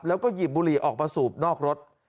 แล้วก็หยิบบุหรี่ออกมาสูบนอกรถ